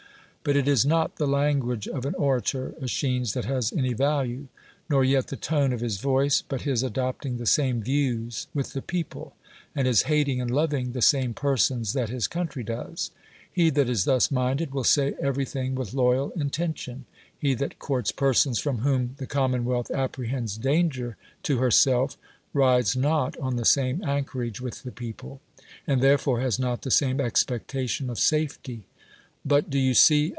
But it is not the language of an ora tor, ^schines, that has any value, nor yet the tone of his voice, but his adopting the same views with the people, and his hating and loving the same persons that his country does. lie that is thus minded will say everything with loyal in tention ; he that courts persons from whom the commonwealth apprehends danger to herself, rides not on the same anchorage with the people, and, therefore, has not the same expectation of safety. But — do you see